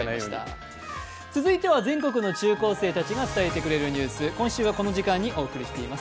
続いては全国の中高生たちが伝えてくれるニュース、今週はこの時間にお送りしています。